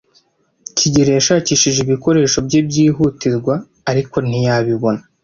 kigeli yashakishije ibikoresho bye byihutirwa, ariko ntiyabibona.